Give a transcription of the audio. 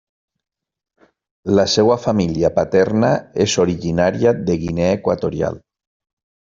La seva família paterna és originària de Guinea Equatorial.